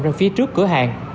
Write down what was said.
ra phía trước cửa hàng